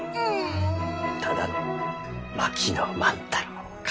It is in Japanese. ただの槙野万太郎か。